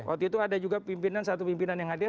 waktu itu ada juga pimpinan satu pimpinan yang hadir